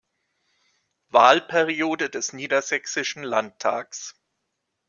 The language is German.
Wahlperiode des Niedersächsischen Landtages.